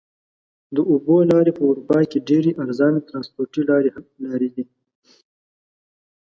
د اوبو لارې په اروپا کې ډېرې ارزانه ترانسپورتي لارې دي.